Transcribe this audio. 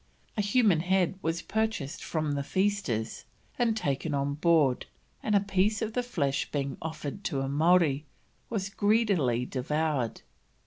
A human head was purchased from the feasters and taken on board, and a piece of the flesh being offered to a Maori, it was greedily devoured.